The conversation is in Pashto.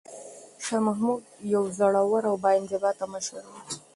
شاه محمود یو زړور او با انضباطه مشر و.